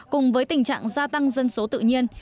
cùng với tình trạng gia tăng dân số tự nhiên